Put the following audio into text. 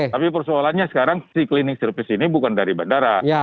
tapi persoalannya sekarang si klinik service ini bukan dari bandara